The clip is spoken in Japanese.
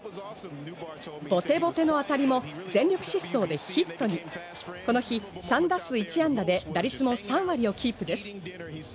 ボテボテの当たりも全力疾走でヒットにこの日、３打数１安打で打率を３割をキープです。